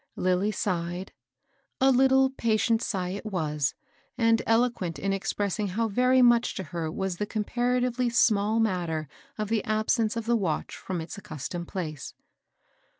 Lilly sighed. A little, patient righ it was, and eloquent in expressing how very much to her was the comparatively small matter of Ae absence of the watch from its accustomed place.